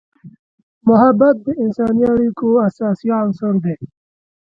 محبت د انسانی اړیکو اساسي عنصر دی.